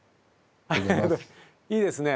いいですね。